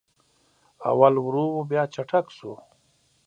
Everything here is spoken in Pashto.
اول ورو و بیا چټک سو